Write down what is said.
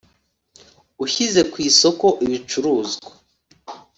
Ushyize ku isoko ibicuruzwa